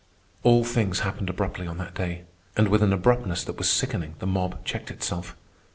All things happened abruptly on that day, and with an abruptness that was sickening the mob checked itself.